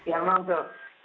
ya memang begitu